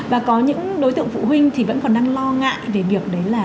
và có những đối tượng phụ huynh thì vẫn còn đang lo ngại về việc đấy là